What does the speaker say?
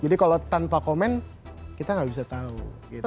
jadi kalau tanpa komen kita gak bisa tau gitu